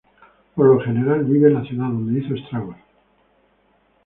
Por lo general, vive en la ciudad donde hizo estragos.